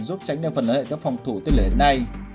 giúp tránh đưa phần lớn hệ thống phòng thủ tên lửa hiện nay